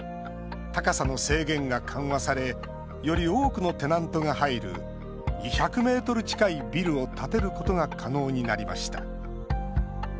高さの制限が緩和されより多くのテナントが入る２００ｍ近いビルを建てることが可能になりました。